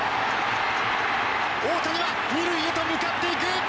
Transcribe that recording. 大谷は２塁へと向かっていく！